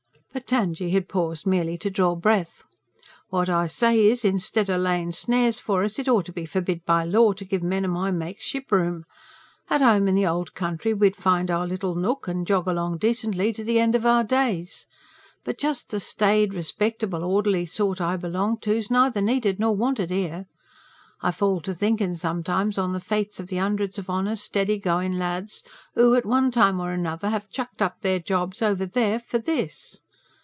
But Tangye had paused merely to draw breath. "What I say is, instead o' layin' snares for us, it ought to be forbid by law to give men o' my make ship room. At home in the old country we'd find our little nook, and jog along decently to the end of our days. But just the staid, respectable, orderly sort I belonged to's neither needed nor wanted here. I fall to thinkin' sometimes on the fates of the hundreds of honest, steady goin' lads, who at one time or another have chucked up their jobs over there for this.